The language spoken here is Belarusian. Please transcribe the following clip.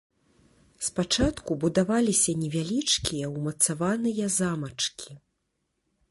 Спачатку будаваліся невялічкія ўмацаваныя замачкі.